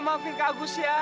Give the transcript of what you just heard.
maafin kak gus ya